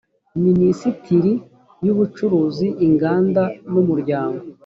minisiteri y ubucuruzi inganda n umuryango